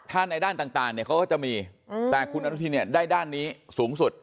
ถ้าในด้านต่างเนี่ยเขาก็จะมีแต่คุณอนุทินเนี่ยได้ด้านนี้สูงสุด